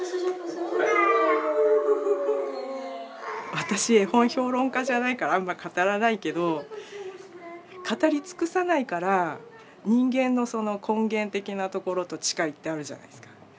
私絵本評論家じゃないからあんま語らないけど語り尽くさないから人間のその根源的なところと近いってあるじゃないですか。